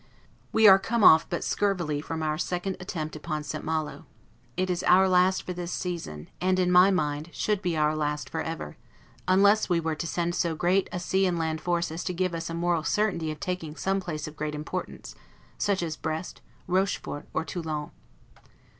We are come off but scurvily from our second attempt upon St. Malo; it is our last for this season; and, in my mind, should be our last forever, unless we were to send so great a sea and land force as to give us a moral certainty of taking some place of great importance, such as Brest, Rochefort, or Toulon.